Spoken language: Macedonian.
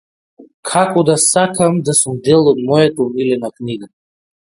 Како да сакам да сум дел од мојата омилена книга.